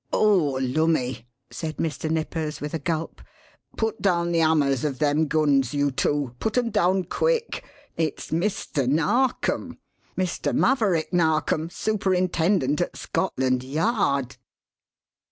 "Oh, lummy!" said Mr. Nippers with a gulp. "Put down the hammers of them guns, you two put 'em down quick! It's Mr. Narkom Mr. Maverick Narkom, superintendent at Scotland Yard!"